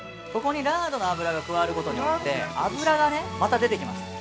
ここにラードの油が加わることによって、油が、また出てきます。